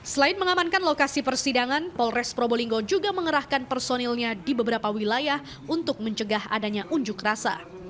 selain mengamankan lokasi persidangan polres probolinggo juga mengerahkan personilnya di beberapa wilayah untuk mencegah adanya unjuk rasa